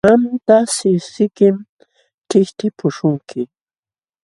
Qamta sikiykim chiqchipuśhunki.